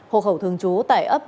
hồ khẩu thường trú tại ấp